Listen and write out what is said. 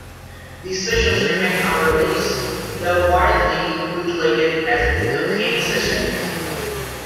These sessions remain unreleased though widely bootlegged as "The Cocaine Sessions".